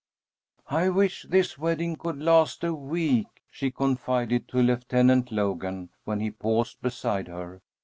"I wish this wedding could last a week," she confided to Lieutenant Logan, when he paused beside her.